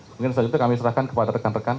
mungkin selanjutnya kami serahkan kepada rekan rekan